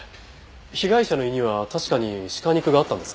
被害者の胃には確かに鹿肉があったんですが。